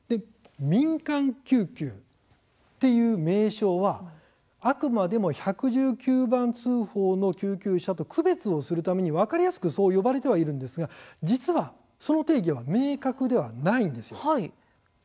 民間救急という名称はあくまでも１１９番の救急車と区別するため、分かりやすくそう呼ばれていますが実は、その定義は明確ではないんです。